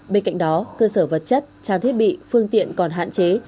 bên cạnh đó cơ sở vật chất trang thiết bị phương tiện còn hạn chế